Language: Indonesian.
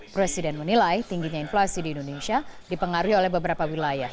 presiden menilai tingginya inflasi di indonesia dipengaruhi oleh beberapa wilayah